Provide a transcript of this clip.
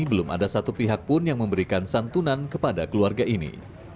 belum ada satu pihak pun yang memberikan santunan kepada keluarga ini